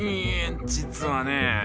実はね